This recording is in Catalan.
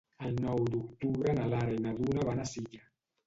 El nou d'octubre na Lara i na Duna van a Silla.